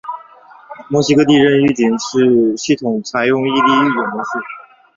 墨西哥地震预警系统采用异地预警模式。